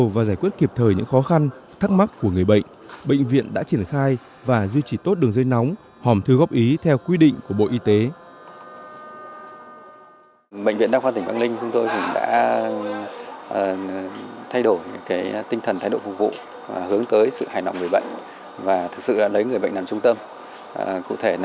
với những khó khăn thắc mắc của người bệnh bệnh viện đã triển khai và duy trì tốt đường dây nóng hòm thư góp ý theo quy định của bộ y tế